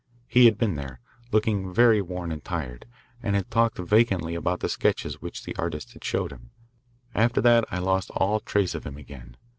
He had been there, looking very worn and tired, and had talked vacantly about the sketches which the artist had showed him. After that I lost all trace of him again.